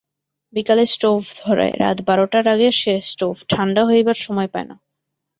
বিকালে স্টোভ ধরায়, রাত বারোটার আগে সে স্টোভ ঠাণ্ডা হইবার সময় পায় না।